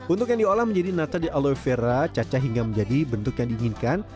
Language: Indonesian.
untuk yang diolah menjadi nata di aloe vera caca hingga menjadi bentuk yang diinginkan